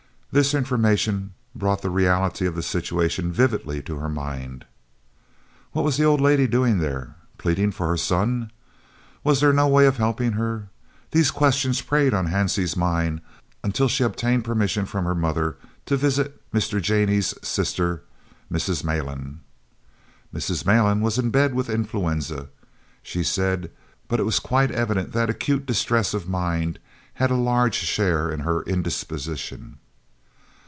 This information brought the reality of the situation vividly to her mind. What was the old lady doing there? Pleading for her son? Was there no way of helping her? These questions preyed on Hansie's mind, until she obtained permission from her mother to visit Mr. Jannie's sister, Mrs. Malan. Mrs. Malan was in bed with influenza, she said, but it was quite evident that acute distress of mind had a large share in her indisposition.